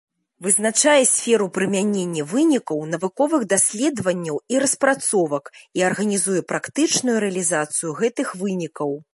Вызначае сферу прымянення вынікаў навуковых даследаванняў і распрацовак і арганізуе практычную рэалізацыю гэтых вынікаў.